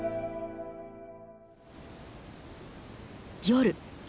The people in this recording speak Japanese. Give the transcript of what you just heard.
夜。